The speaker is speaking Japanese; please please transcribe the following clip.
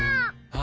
あ！